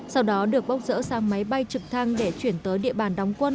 sau đó được bốc rỡ sang máy bay trực thăng để chuyển tới địa bàn đóng quân